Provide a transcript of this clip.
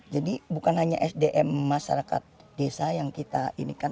jadi bukan hanya sdm masyarakat desa yang kita inikan